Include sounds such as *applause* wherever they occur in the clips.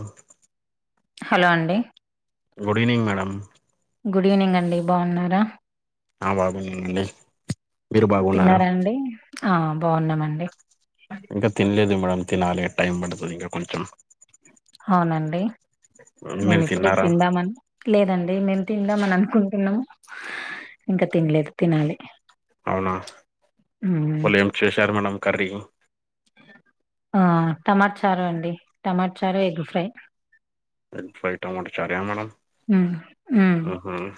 ఆ హలో అండి good evening madam good evening అండి బాగున్నారా ఆ బాగున్నానండి మీరు బాగున్నారా తిన్నారా అండి ఆ బావున్నామండి ఇంకా తినలేదు మేడం తినాలి టైం పడుతుంది ఇంకా కొంచెం అవునండి మేము మీరు ఇప్పుడే తిన్నారా తిందామని లేదండి మేము తిందా మని అనుకుంటున్నాము ఇంకా తినలేదు తినాలి అవునా ఉమ్ ఇవాళ్ళ ఏం చేశారు మేడం కర్రీ ఆ టమాటా చారు అండి టమాట చారు ఎగ్ ఫ్రై వైట్ అమౌంట్ చారయా మేడం ఉమ్ ఉమ్ మ్ హుమ్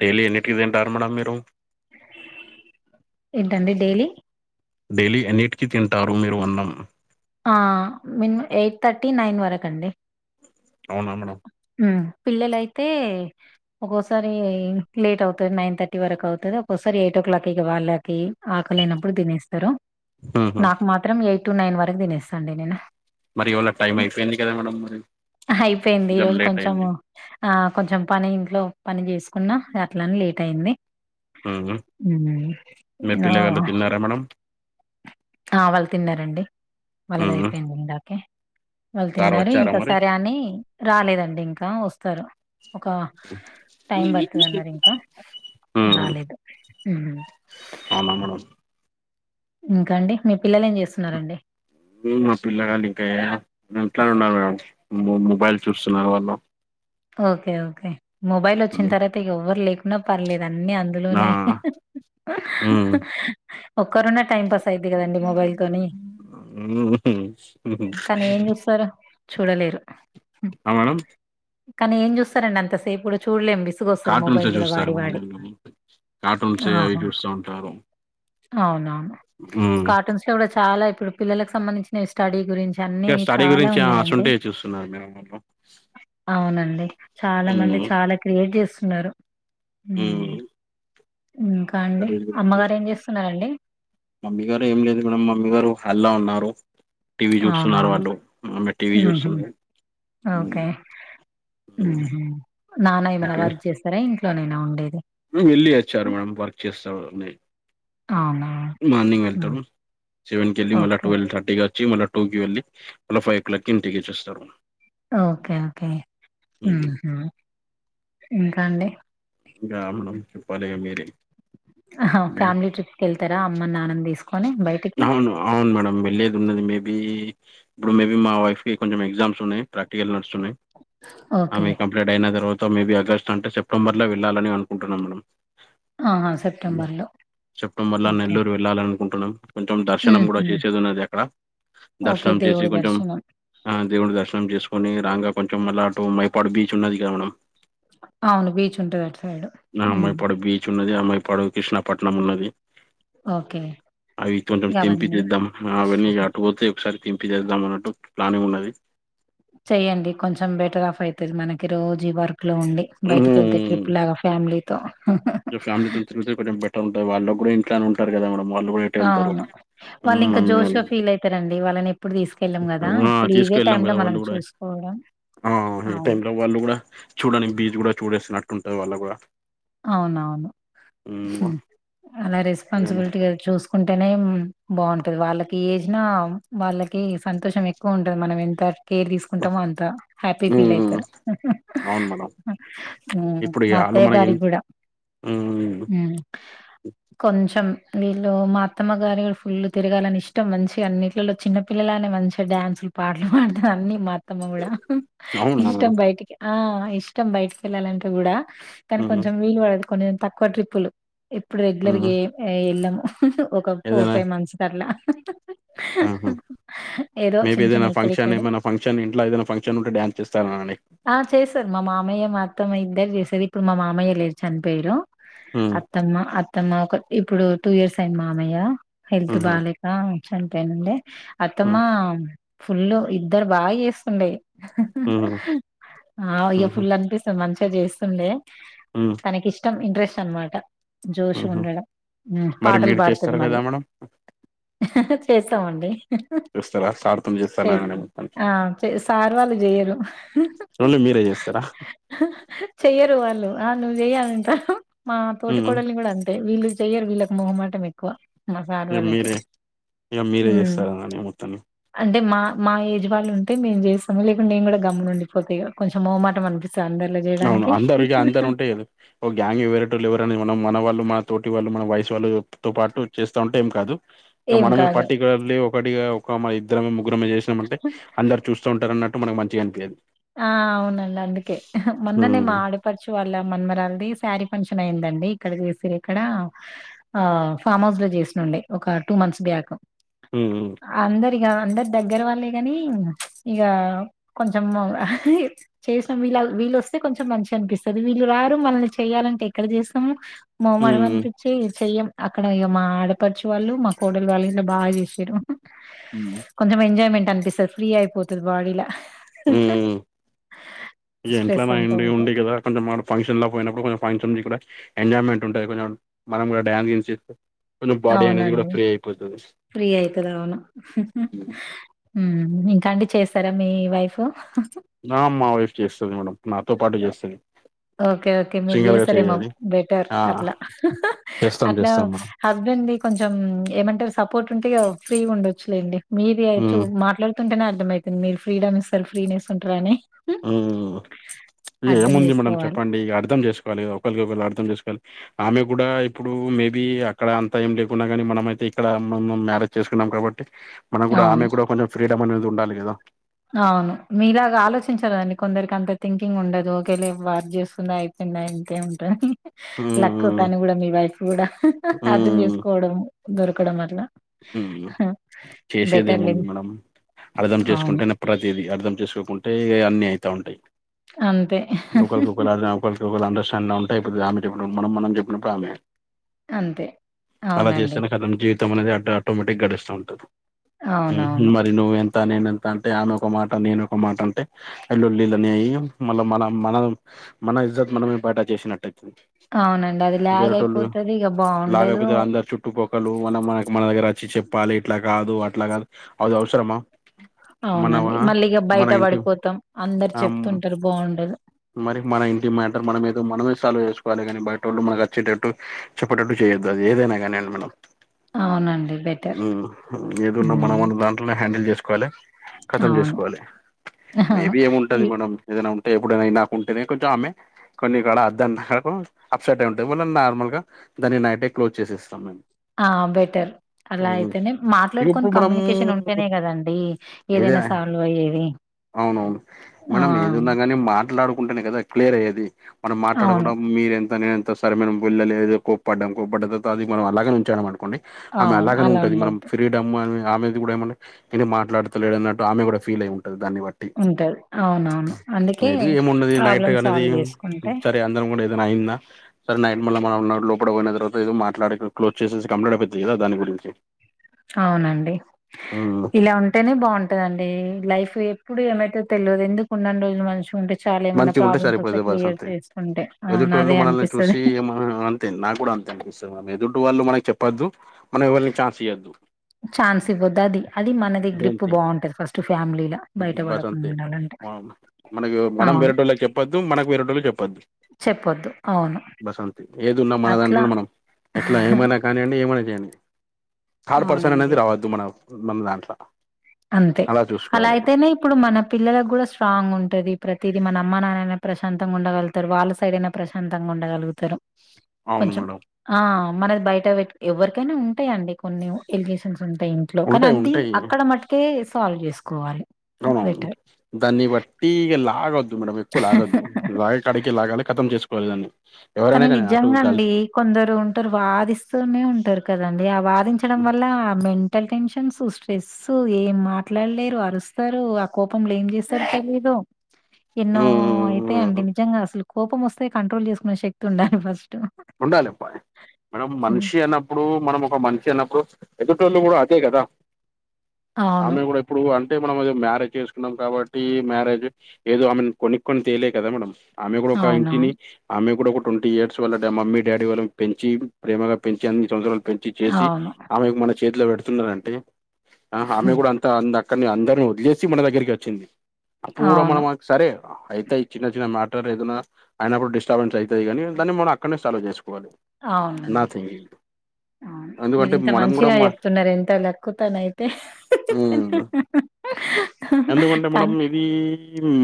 డైలీ ఎన్ని ఎన్నింటికి తింటారు మేడం మీరు ఏంటండి డైలీ డైలీ ఎన్నిటికీ తింటారు మీరు అన్నం ఆ మిన్ ఎయిట్ థర్టీ నైన్ వరకు అండి అవునా మేడమ్ మ్ పిల్లలైతే ఒక్కోసారి లేట్ అవుతుది నైన్ థర్టీ వరకు అవుతుది ఒక్కోసారి ఎయిట్ ఓ క్లాక్కి వాళ్ళకి ఆకలైనప్పుడు తినేస్తారు ఊహూ నాకు మాత్రం ఎయిట్ టు నైన్ వరకు తినేస్తా అండి నేను మరి ఇవాళ టైం అయిపోయింది కదా మేడం మరి అయిపోయింది ఈ రోజు లేట్ కొంచెం అయింది ఆ కొంచెం పని ఇంట్లో పని చేసుకున్నా అట్లనే లేట్ అయింది ఊహూ మీ పిల్లగాళ్ళు తిన్నారా మేడం ఆ ఆ వాళ్ళు తిన్నారండి వాళ్ళది ఊహూ అయిపోయింది ఇందాకే వాళ్ళు సార్ తిన్నారు వచ్చారా మరి ఇంకసరే అని రాలేదండి ఇంకా వస్తారు ఒక టైం పడుతది అన్నారు ఇంకా ఊహూ రాలేదు అవునా మేడం ఇంకా అండి మీ పిల్లలు ఏం చేస్తున్నారండి మా పిల్లగాలు ఇంకా ఎట్లానే ఉన్నారు మే మొబైల్ చూస్తున్నారు వాళ్ళు ఓకే ఓకే మొబైల్ వచ్చిన తర్వాత ఎవ్వరు లేకున్నా పర్లేదు అన్నీ ఆ అందులోనే మ్మ్ ఒక్కరు ఉన్న టైం పాస్ అయిది కదండి మొబైల్ తోని కానీ ఏం చూస్తారు చూడలేరు ఆ మేడమ్ కానీ ఏం చూస్తారండి అంతసేపు కూడ చూడలెం విసి విసుగొస్తది మొబైల్ కార్టూన్సే కూడా చూస్తారు వాడి మేడం వాడి వీళ్ళు కార్టూన్సే ఆ హ అవి చూస్తా ఉంటారు అవునవును మ్మ్ కార్టూన్స్ కూడా చాలా ఇప్పుడు పిల్లలకు సంబంధించి న స్టడీ గురించి అన్ని ఇ స్టడీ చాలా గురించిస్తుఆ ఉన్నాయండి అసువంటియె చూస్తున్నారు మేడం వాళ్ళు అవునండి చాలా మంది మ్మ్ చాలా క్రియేటివ్ స్ ఉన్నారు మ్మ్ ఇంకా అండి స్టడీస్ గురించి అమ్మగారు ఏం చూస్తున్నారు చేస్తున్నారండి మమ్మీ గారు ఏం లేదు మేడమ్ మమ్మీ గారు హల్లా ఉన్నారు టీవీ అవునా చూస్తున్నారు వాళ్ళు మమ్మీ టీవీ ఊహూ చూస్తుంది మ్ హుమ్ నాన్న ఏమైనా వర్క్ చేస్తారా ఇంట్లోనేనా ఉండేది వెళ్ళి వచ్చారు మేడం వర్క్ చేస్తాంఅని అనా మార్నింగ్ వెల్తడు సెవెన్కి ఎల్లి మళ్ల ఓకే. ట్వెల్వ్ థర్టీగా వచ్ టుకి వెళ్లి మళ్ల ఫైవ్ ఓ క్లాక్ కి ఇంటికి వచ్చస్తారు ఓకే ఓకే ఉమ్ ఇంకా అండి గా మనం చెప్పాలిగా మీరే అహ ఫ్యామిలీ ట్రిప్కి వెళ్తారా అమ్మ నాన్నని తీసుకొని బయటికి అవును అవును మేడమ్ వెళ్ళేది ఉన్నది మేబీ ఇప్పుడు మేబీ మా వైఫ్ కి కొంచం ఎగ్జామ్స్ ఉన్నయ్ ప్రాక్టికల్ నడసున్నయ్ ఓకే. ఆమె కంప్లీట్ అయిన తర్వాత మేబీ ఆగస్ట్ అంటే సెప్టెంబర్లో వెళ్ళాలని అనుకుంటున్నాం మనం ఆహా! సెప్టెంబర్‌లో. సెప్టెంబర్లో ఓకే. నెల్లూరు వెళ్ళాల అనుకుంటున్నాం కొంచెం దర్శనం కూడా హుహు. చేసేది ఉన్నది అక్కడ ఓకే. దర్శనం చేసి దేవుడి కొంచెం దర్శనం. ఆ దేవుడి దర్శనం చేసుకొని రాంగా కొంచెం మళ్లా అటు మైపాడు బీచ్ ఉన్నది కదా మనం అవును బీచ్ ఉంటది అటు సైడు ఆ ఉ మైపాడు బీచ్ ఉన్నది అమ్మయిపడు కృష్ణాపట్నం ఉన్నది ఓకే. అవి కొంచం అవన్నీ తెంపితీద్దాం ఆ అవన్నీ అటుపోతే ఒకసారి దింపి చేేద్దామన్నట్టు ప్లానింగ్ ఉన్నది చెయ్యండి కొంచెం బెటర్ ఆఫ్ అయితది మనకి రోజు వర్క్లో ఉండి బయటికెళ్తే ట్రిప్ లాగా ఫ్యామిలీ సో ఫ్యామిలీతో తిరిగితే కొంచెం బట్ట ఉంటాయి వాళ్ళగు అవును వాళ్ళు ఉమ్, ఇంకా మమ్మీ వాళ్ళు జోష్గా ఫీల్ అయితరండి వాళ్ళని ఇప్పుడు తీసుకెళ్ళం కదా ఆ, ఇప్పుడు ఇదే తీసుకెళ్ళాం టైమ్లో కదా మనం వాళ్ళు కూడా చూసుకోవడం ఆ ఈ అవును. టైమ్లో వాళ్ళు గూడా చూడానికి బీచ్ కూడా చూడసినట్టుంటది వాళ్ళకూ అవునవును అలా అదే రెస్పాన్సిబిలిటీగా చూస్ ఉంటేనే బాగుంటది వాళ్ళకి ఏజ్ నా వాళ్ళకి సంతోషం ఎక్కువ ఉంటది మనం ఎంత కేర్ తీసుకుంటామో అంత హ్యాపీ ఫీల్ అయితరు అవును మేడం మాక్కయ్య గారి ఉ ఉ కొంచెం వీళ్ మా అత్తమ్మగారి కూడా ఫుల్లు తిరగాలని ఇష్టం మంచి అన్నింటిలో చిన్న పిల్లలనే మంచిగా డ్యాన్సులు పాటలు పాడతారు అన్ని మత్తమ్మ కూడా అవునా ఇష్టం బయటికి ఆ ఇష్టం బయటకి వెళ్లాలంటే కూడా ఉమ్, కొంచెం వీలు పడదు కొంచె తక్కువ ట్రిప్పులు ఇప్పుడు రెగ్యులర్గా ఉమ్, ఏం వెళ్ళము ఒక ఫోర్ ఏదైనా ఫైవ్ మంత్స్ కట్ల ఏదో మేబీ చిన్న చిన్న ఏదైనా ఫంక్షన్ హెచ్చరికని ఏమైనా ఫంక్షన్ ఇంట్లో ఏదైనా పంక్షన్ ఉంటే డాన్స్ చేస్తాను అని ఆ చేశారు మా మామయ్య మాత్తం ఇద్దరు చేసారు ఇప్పుడు మా మామయ్య లేరు చనిపోయరు చేస్తానండి అత్తమ్మ అత్తమ్మ ఒక ఇప్పుడు టూ ఇయర్స్ అయిం మామయ్య హెల్త్ బాగలే ఆ చెంతేనండి హ్మ్ అత్తమ్మా ఫుల్లు ఇద్దరు బాగ చేస్తుండే హ్మ్ ఆ ఇయ్య హుహు. ఫుల్లు అనిపిస్ అసలు మంచిగ చేస్తుండే హ్మ్. తనకి ఇష్టం ఇంట్రెస్ట్ అనమాట జోష్ హుహు. ఉండడం మరి పాటలు మీరు పాడుతది చేస్తారా లేదా మళ్ళీ మేడం? చేస్తామండి చేస్తారా? సార్‌తో చేస్తానననే మొత్తానికి. ఆ సార్ వాళ్లు జేయరు చూడి మీరే చేస్తారా చెయ్యరు వాళ్ళు ఆ నువ్వు చెయ్యాలంట మా తోటి హ్మ్. కోడల్ని కూడా అంతే వీళ్ళు చెయ్యర్ వీళ్ళకు మొహమాట మా ఇగ పార్లర్లకి మీరే ఇగ మీరే చేస్తారననే మొత్తాన్ని. అంటే మా మా ఏజ్ వాళ్ళు ఉంటే మేం చేస్తాము లేకుంట నేను కూడా గమ్మునుండి పోతా కొంచెం మొహమాటం అనిపి స అందరిల చేయడానికి కెలు ఓ గ్యాంగ్ వేరేటోలు ఎవరన్నా మనం మన వాళ్ళు మన తోటి వాళ్ళు మన వయసు వాళ్ళుతో పాటు చేస్తా ఉంటే ఏం కాదు ఇగ ఏం మనమే కాదు పర్టిక్యలర్లీ ఒకటిగా ఒక మన ఇద్దరమే ముగ్గురమే చేసినామంటే అందరు చూస్తూ ఉంటారున్నట్టు మనకి మంచిగా అనిపియ్యదు ఆ అవునండి అందుకే మొన్ననే మా హ్మ్. ఆడి పడుచు వాళ్ళ మనుమరాలిది శారీ ఫంక్షన్ అయిందండి ఇక్కడ చేసింర్రు ఇక్కడ ఆ ఫామ్ హౌస్ లో చేసిఉండే ఒక టూ మంత్స్ బ్యాక్ ఉమ్ అందరిగా అందరూ దగ్గర వాళ్ళే గని ఇగా కొంచెం చేసాం వీళ్ళ వీళ్ళు వస్తే కొంచెం మంచిగా అనిపిస్తుంది వీళ్ళు రారు మనల్ని చేయాలంటే ఎక్కడ చేస్తాము మమల్ హ్మ్. చి చెయ్యం అక్కడ ఇగా మా ఆడపడుచు వాళ్ళు మా కోడలు వాళ్ళు ఇంట్లో బాగా చేసారు హ్మ్. కొంచెం ఎంజయ్మెంట్ అనిపిస్తది ఫ్రీ అయిపోతది బాడీలా ఈ స్ట్రెస్ ఇంట్లోనా అంతా *unintelligible* ఉంటది. ఉంది గదా కొంచెం ఫంక్షన్ లో పోయినప్పుడు కొంచెం ఫంక్షన్ కూడా ఎంజాయ్మెంట్ ఉంటుంది కొంచం మనం డాన్స్ అవునండి ఫ్రీ అయితది అవును ఇంకా అండి చేస్తారా మీ వైఫ్ ఆ మా వైఫ్ చేస్తది మేడం నాతో పాటు చేస్తది ఓకే ఓకే మీరు సింగల్ గా చేస్తారేమో చెయ్యది బెటర్ ఆ అట్లా చేస్తాం అట్లా చేస్తాం మేడం హస్బెండ్ది కొంచెం ఏమంటారు సపోర్ట్ ఉంటే ఇగ ఫ్రీ ఉండొచ్చులేండి మీది చూ ఉమ్ మాట్లా అర్థమౌతుంది మీరు ఫ్రీడమ్ ఇస్తారు ఫ్రీనేస్ ఉంటారు అని ఏముంది మేడం చేసుకోవాలి. చెప్పండి ఇగ అర్థం చేసుకోవాలి ఒకరికి ఒకరు అర్థం చేసుకోవాలి ఆమె కూడా ఇప్పుడు మేబి అక్కడ అంత ఏం లేకున్నాగని మనం అయితే ఇక్కడ మ మ్యారేజ్ చేసుకున్నాం కాబట్టి మనం కూడా అవును. ఆమె కూడా కొంచెం ఫ్రీడమ్ అనేది ఉండాలి కదా అవును మీలాగా ఆలోచించాలి కదండి కొందరికి అంత థింకింగ్ ఉండదు ఒకేలే వర్క్ చేస్తుందా అయి ఇంతే ఉంటది లక్కు ఉమ్ తను కూడా మీ వైఫ్ కూడా అర్థం చేసుకోవడం దొరకడం అట్లా చేసేది బెటర్లే ఏముంది మేడం అర్ధం అవును చేసుకుంటే ప్రతిదీ అర్థం చేసుకోకుంటే ఈ అన్ని అయితా ఉంటాయి అంతే ఒకలికి ఒకలు అర్ధ అండర్స్టాండింగ్లా ఉంటే అయిపోతది ఆమె చెప్పినప్పుడు మనం మనం చెప్పినప్పుడు ఆమె అంతే అలా అవునండి చేస్తేనే కదా అనేది ఆటో ఆటోమేటిక్గా గడుస్తా ఉంటది అవునవును నువ్వెంత నేనింత అంటే ఆమె ఒక మాట నేనొక మాట అంటే లొల్లిలు అన్ని అయ్యి మళ్ళ మన మనం మన ఇజ్జత్ మనమే పటాస్ చేసినట్టు అవునండి అది ల్యాగ్ అయిపోతది ఇగ బాగుండదు లాగపోతే అందరు చుట్టుపక్కలు మనం మన మన దగ్గర వచ్చి చెప్పాలి ఇట్లా కాదు అట్లా కాదు అది అవసరమా అవునండి మనవా మళ్ళీగా బయట మన ఇంటి పడిపోతాం అందరు చెప్తుంటారు బాగుండదు మరి మన ఇంటి మ్యాటర్ మనం ఏదో మనమే సాల్వ్ చేసుకోవాలి గానీ బయట వాళ్ళు మనకు వచ్చేటట్టు చెప్పేటట్టు చెయ్యొద్దు అది ఏదైనా కానీండి మనం అవునండి బె ఏదున్న మనం మన దాంట్లోనే హ్యాండిల్ చేసుకోవాలి కతం అవును చేసుకోవాలి మేబి ఏముంటది ఈ మనం ఏదైనా ఉంటే ఎప్పుడైనా నాకుంటేనే కొంచెం ఆమె *unintelligible* కొన్ని కూడా అద్దంత అప్సెట్ అయి ఉంటాంది మళ్ళ నార్మల్ గా దాన్ని నైటే క్లోజ్ చేసి ఇస్తాం మేము ఆ బెటర్ అలా ఉమ్, అయితేనే మాట్లాడుకొని ఇప్పుడు మనం కమ్యూనికేషన్ ఉంటేనే కదండి ఏదైనా సాల్వ్ అయ్యేది అవునవును ఆ! మనం ఏది ఉన్నా గాని మాట్లాడుకుంటానే కదా క్లియర్ అయ్యేది మనం మాట్లాడ అవును. కుండా మీరెంత నేను ఎంత సరే మనం వెళ్లలేదు ఏదో కోప్పడ్డాం కోప్పడ్డ తర్వాతది మనం అలాగనే ఉంచాడం అనుకోండి ఆమె అవును. అలాగనే అలా ఉంటుంది మనం ఉండొద్దు. ఫ్రీడమ్ అని ఆమెది కూడా ఏమే ఏన్ని మాట్లాడతలేడన్నట్టు ఆమె కూడా ఫీల్ అయి ఉంటుంది దాన్ని బట్టి ఉంటరూ అవునవును అందుకే మేబీ ప్రాబ్లమ్ సాల్వ్ చేసుకుంటే *unintelligible* ఏదై అయింద సర నైట్ మళ్ మనం లోప పోయిన తర్వాత మాట్లాడ క్జ్ చేసే కంప్లీట్ అయిపోతుంది ఏదో దాని గురించి అవునండి ఇలా ఉంటే టేనే బాగుంటదండి లైఫ్ ఎప్పుడు ఏమైతే తెలియదు ఎందుకు ఉండని రోజులు మనిషి ఉంటే చాలా ఏమన్నా మంచిగుంటే ప్రాబ్లమ్స్ వస్తే సరిపోతది బస్ క్లియర్ అంతే చేసుకుంటే అవును అదే అనిపిస్తుంది ఆ అంతే నాకు కూడా అంతే అనిపిస్తుంది మ ఎదుట వాళ్ళు మనకి చెప్పొద్దు మనం ఎవళని ఛాన్స్ ఇయొద్దు ఛాన్స్ ఇవ్వొద్దు అది అది మనది మెయిన్ గ్రిప్ థింగ్ బాగుంటది ఫస్ట్ ఫ్యామిలీలా బయట పడకుండా ఉండాలంటే మనకు మనం వేరే అవును. టోల్లకు చెప్పొద్దు మనకు వేరే టోలు చెప్పద్దు చెప్పొద్దు. అవును. బస్ అంతే ఏదిన్నా అట్లా మనదాంట్లో మనం ఎట్లా ఏమైనా కానీయండి ఏమైనా చేయండి థార్డ్ పర్సన్ అవునండి అనేది రావద్దు మన మన దాంట్లో అంతే అలా అయితేనే ఇప్పుడు మన పిల్లలకు కూడా స్ట్రాంగ్ ఉంటది ప్రతిదీ మన అమ్మ నాన్నైనా ప్రశాంతంగా ఉండగలుత తారు వాళ్ళ సైడ్ అయినా ప్రశాంతంగా ఉండగలుగుతారు అవును కొంచం మేడం ఆ మనది బయట పెట్ ఎవ్వరికైనా ఉంటాయండి కొన్ని ఎలిగేషన్స్ ఉంటాయి ఇంట్లో కానీ ఉంటాయి అంది ఉంటాయి అక్కడ మటుకే సాల్వ్ చేసుకోవాలి అవునవును బెటర్ దాన్ని బట్టి ఇగా లాగిద్దు మనము ఎక్కువ లాగద్దు లాగ కడికి లాగాలి ఖతం చేసుకోవాలి దాన్ని కానీ ఎవరైనా అటు నిజంగా అండి కొందరు ఉంటారు వాదిస్తూనే ఉంటారు కదండి ఆ వాదించడం వల్ల ఆ మెంటల్ టెన్షన్సు స్ట్రెస్ ఏం మాట్లాడలేరు అరుస్తారు ఆ కోపంలో ఏం చేస్తారో తెలిదు ఎన్నో అయితా గర్ల్స్ అండి నిజంగా అసలు కోపం వస్తే కంట్రోల్ చేసుకునే శక్తి ఉండాలి ఫస్ట్ ఉండాలి అబ్బాయి మనం మనిషి అన్నప్పుడు మనం ఒక మనిషి అన్నప్పుడు ఎదుటోల్లు కూడా అదే కదా అవును. ఆమె కూడా ఇప్పుడు అంటే మనం అద మ్యారేజ్ చేసుకున్నాం కాబట్టి మ్యారేజ్ ఏదో ఆమెను కొనుక్క కొని తేలే కదా మేడం ఆమె కూడా ఒక ఇంటిని అవునవును. ఆమె కూడా ఒక ట్వంటీ ఇయర్స్ వల్ల మమ్మీ డాడీ వాళ్ళ పెంచి ప్రేమగా పెంచి అన్ని సంవత్చరాలు పెంచి చేసి అవును. ఆమెకు మన చేతిలో పెడుతున్నరంటే ఆమె హ్మ్. కూడా అ అక్కడను అందరిని వదిలేసి మన దగ్గరికి వచ్చింది అప్పుడు కూడా మనం అవును. సరే అయిత ఈ చిన్న చిన్న మ్యాటర్ ఏదన్నా అయినప్పుడు డిస్టర్బెన్స్ అయితాది కానీ దాన్ని మనా అక్కడనే సాలువ్ చేసుకోవాలి అవునండి. నథింగ్ అవును మీరి ఇంత మంచిగా చెప్తున్నారు ఎంత లక్కు తను అయితే హ్మ్ ఎందుకంటే మేడం ఇది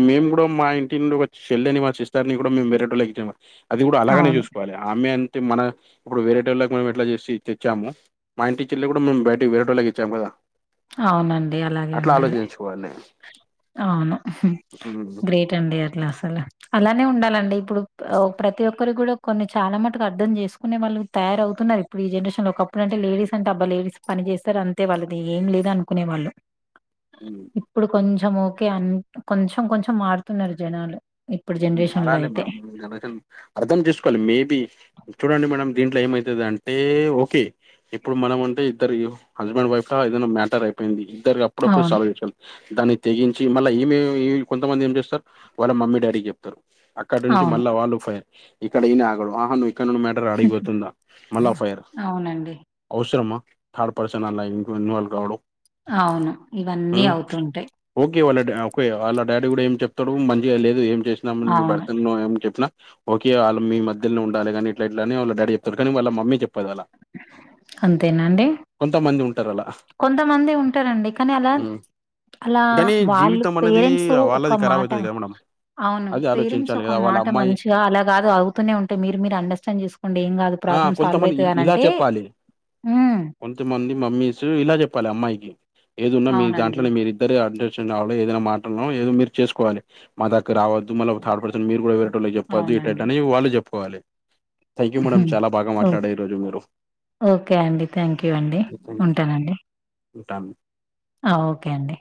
మేము కూడా మా ఇంటి నుండి ఒక చెల్లని మా సిస్టర్ని కూడా మేము వెరేటో లకి ఇచ్చాం అది కూడా అలాగనే అవును. చూసు ఆమె అంటే మన ఇప్పుడు వేరేటళ్ళకి మనం ఎట్లా చేసి తెచ్చాము మా ఇంటి చెల్లి కూడా మేము బయటకి వేరెటళ్ళకి ఇచ్చాం కదా అవునండి అలాగే ఉండాలి పోలే అవును గ్రేట్ అండి అట్ల అసలు అలానే ఉండాలండి ఇప్పుడు ఆ ప్రతి ఒక్ ఒక్కరు కూడా కొన్ని చాలా మటుకు అర్థం చేసుకునే వాళ్ళు తయారవుతున్నారు ఇప్పుడు ఈ జనరేషన్ లో ఒకప్పుడు అంటే లేడీస్ అంటే అబ్బ లేడీస్ పని చేస్తరు అంతే వాళ్ళది ఏం లేదు అనుకునే వాళ్ళు ఊ ఇప్పుడు కొంచెం ఓకే అంట్ కొంచెం కొంచెం మారుతున్నారు జనాలు ఇప్పుడు జనరేషన్ లో మారాలి అయితే మేడం జనరేషన్ అర్థం చేసుకోవాలి మేబి చూడండి మేడం దీంట్లో ఏమైతది అంటే ఓకే ఇప్పుడు మనం అంటే ఇద్దరు హస్బెండ్ వైఫ్ లా ఏదైనా మ్యాటర్ అయిపోయింది ఇద్దరు అప్ అప్పుడప్పుడు అవును. సాల్వ్ చేశాం దాన్ని తెగించి మళ్ళ ఈమే కొంతమంది ఏం చేస్తార్ వాళ్ళ మమ్మీ డాడీకి చెప్ అక్కడ నుంటి అవును. మళ్ళా వాల్లు ఫైర్ ఇక్కడ ఈయన ఆగడు ఆహ నువ్ ఇక్కడ్ నుండి మ్యాట్ టర్ అడిగిపోతుందా మళ్ళా ఫైర్ అవునండి. అవసరమా థర్డ్ పర్సన్ అలా ఇన్ ఇన్వాల్వ్ కావడం అవును ఇవన్నీ ఉమ్ అవుతుంటయ్ ఓకే వాళ్ళ డా ఓకే వాళ్ళ డాడీ కూడా ఏం చెప్తడూ మంచిగా లేదు ఏం చే నం మీ అవును. భర్త నో ఏం చెప్పిన ఓకే వాళ్ళ మీ మధ్యలో ఉండాలె కానీ ఇట్ల ఇట్ల అనీ వాళ్ళ డాడీ చెబుతాడు కానీ వాళ్ళ మమ్మీ చెప్పదు అలా అంతేనా అండి. కొంత మంది ఉంటారలా కొంతమంది ఉంటారండి కానీ అలా అలా కానీ వాళ్ళు జీవితం అనేది పేరెంట్సు ఒక వాళ్ళది ఖరాబ్ మాట అయితది కదా మేడం అవును అది పేరెంట్స్ ఆలోచించాలి ఒక కదా వాళ్ళ మాట అమ్మాయి మంచిగా అలా కాదు అవుతూనే ఉంటయ్ మీరు మీరు అండస్టాండ్ చేసు కొండి ఏం కాదు ఆ ప్రాబ్లమ్స్ సాల్వ్ కొంతమంది ఇ అయితయ్ అని ఇలా అంటే చెప్పాలి ఊ కొంతమంది మమ్మీసూ ఇలా చెప్పాలె అమ్మాయికి ఏదున్నా మీరు అవునండి. దాంట్లోనే మీరు ఇద్ ఇద్దరే అండస్టాండ్ ఆవిడే ఏదైనా మాటల్నో ఏదో మీరు చేసుకోవాలి మా దగ్గ రావద్దు మల్ల కాకపోతే మీరు కూడా వేరే టోళ్లకు చెప్పద్దు ఇట్ల అవునండి. ఇట్ల అనీ వాళ్లు చెప్పుకోవాలి థాంక్యూ మేడం చాలా బాగా ఓహ్! మాట్లాడేరెరు మీరు ఓకే అండి థ్యాంక్యూ అండి ఉంటానండి ఉంటాన్ ఆ ఓకే అండి